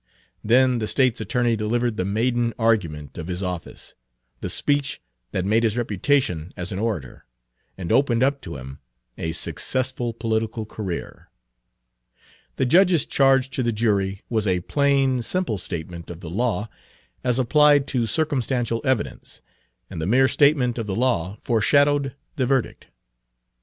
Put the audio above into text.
Then the State's attorney delivered the maiden argument of his office, the speech that made his reputation as an orator, and opened up to him a successful political career. The judge's charge to the jury was a plain, simple statement of the law as applied to circumstantial evidence, and the mere statement of the law foreshadowed the verdict.